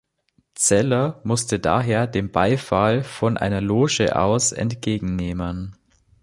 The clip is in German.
Zeller musste daher den Beifall von einer Loge aus entgegennehmen.